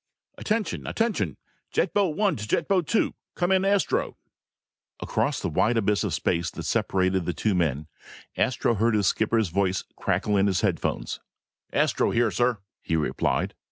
"Attention! Attention! Jet boat one to jet boat two! Come in, Astro!" Across the wide abyss of space that separated the two men, Astro heard his skipper's voice crackle in his headphones. "Astro here, sir," he replied.